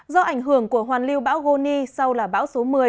do ảnh hưởng của hoàn lưu bão goni sau là bão số một mươi